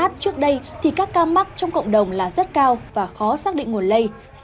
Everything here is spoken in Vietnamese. trước đây các ca mắc trong cộng đồng là rất cao và khó xác định nguồn lê